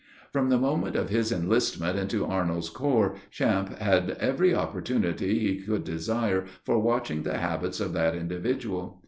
From the moment of his enlistment into Arnold's corps, Champe had every opportunity he could desire for watching the habits of that individual.